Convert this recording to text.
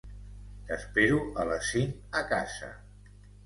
T'espero a les cinc a casa.